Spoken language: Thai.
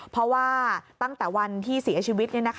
เพราะว่าตั้งแต่วันที่เสียชีวิต